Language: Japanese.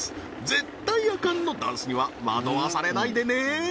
絶対アカンのダンスには惑わされないでね